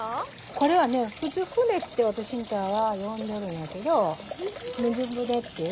これはねふつう舟ってわたしらはよんでるんやけど水舟っていう。